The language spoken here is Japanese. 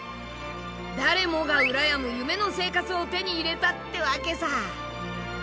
誰もが羨む夢の生活を手に入れたってわけさ。